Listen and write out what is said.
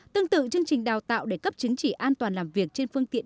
tương tự chương trình đào tạo để cấp chứng chỉ an toàn làm việc trên phương tiện